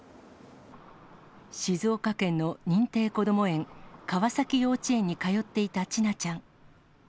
静岡県の認定こども園川崎幼稚園に通っていた千奈ちゃん。